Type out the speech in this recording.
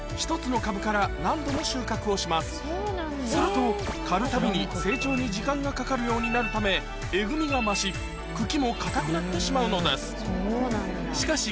実はすると刈るたびに成長に時間がかかるようになるためエグみが増し茎も硬くなってしまうのですしかし